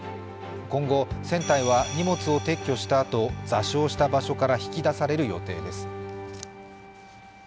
今後、船体は荷物を撤去したあと、座礁した場所から引き出される予定です。